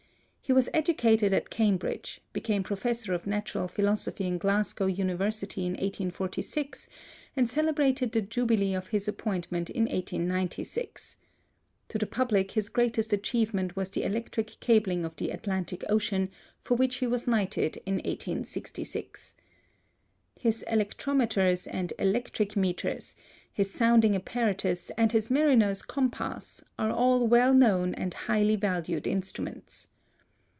He was educated at Cambridge, became professor of natural philosophy in Glasgow University in 1846, and celebrated the jubilee of his appointment in 1896. To the public his greatest achievement was the electric cabling of the Atlantic Ocean, for which he was knighted in 1866. His electrometers and electric meters, his sounding apparatus, and his mariners' compass are all well known and highly valued instruments.